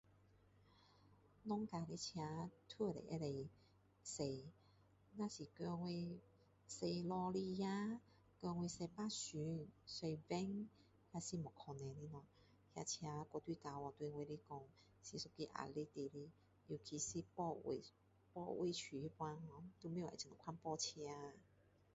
小架的车给我都可以